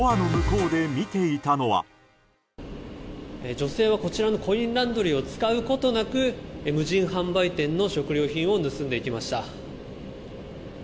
女性はこちらのコインランドリーを使うことなく無人販売店の食料品を盗んでいきました。